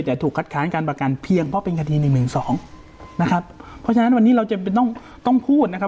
แต่ถูกคัดค้านการประกันเพียงเพราะเป็นคดี๑๑๒นะครับเพราะฉะนั้นวันนี้เราจะต้องพูดนะครับ